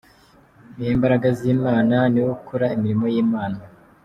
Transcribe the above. Ni we mbaraga z'Imana, Ni we ukora imirimo y'Imana.